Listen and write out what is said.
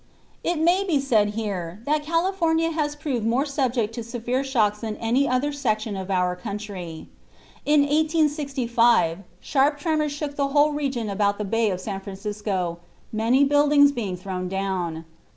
It may be said here that California has proved more subject to severe shocks than any other section of our country. In 1865 sharp tremors shook the whole region about the Bay of San Francisco, many buildings being thrown down.